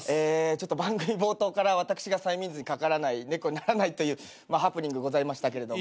ちょっと番組冒頭から私が催眠術にかからない猫にならないというハプニングございましたけれども。